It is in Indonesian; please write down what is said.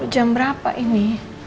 jam berapa ini